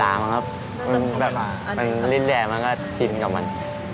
อันนี้แค่มันก็ชินกับมัน